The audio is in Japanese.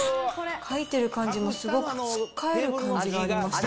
書いてる感じもすごくつっかえる感じがありました。